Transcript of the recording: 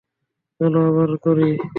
চল, আবার করি।